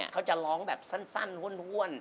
เขาจะร้องแบบสั้นห้วน